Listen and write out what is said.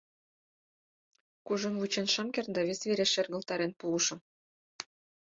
Кужун вучен шым керт да вес вере шергылтарен пуышым.